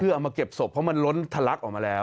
เอามาเก็บศพเพราะมันล้นทะลักออกมาแล้ว